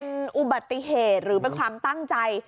เป็นอุบัติเหตุหรือเป็นความตั้งใจ